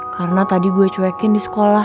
karena tadi gue cuekin di sekolah